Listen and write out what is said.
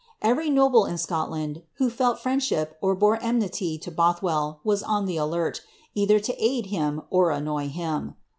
Every noble in Scotland. who ftit friendship or bore enmity lo Bothwell, was on the alert, either to aid him or annoy him.